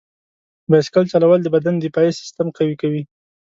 بایسکل چلول د بدن دفاعي سیستم قوي کوي.